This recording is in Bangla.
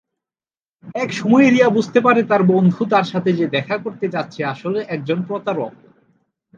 এক সময়ে "রিয়া" বুঝতে পারে তার বন্ধু, যার সাথে সে দেখা করতে যাচ্ছে, আসলে একজন প্রতারক।